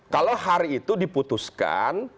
kalau hari itu diputuskan